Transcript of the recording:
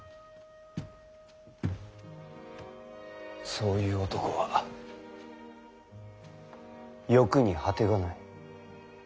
そういう男は欲に果てがない。